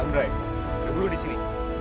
andrai ada buru di sini